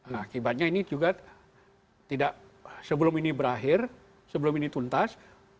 nah akibatnya ini juga tidak sebelum ini berakhir sebelum ini tuntas